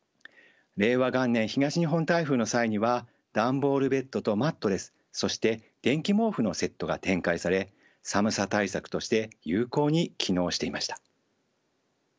令和元年東日本台風の際には段ボールベッドとマットレスそして電気毛布のセットが展開され寒さ対策として有効に機能していました。